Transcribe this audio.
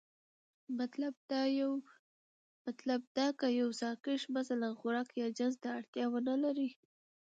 مطلب دا که يو ساکښ مثلا خوراک يا جنس ته اړتيا ونه لري،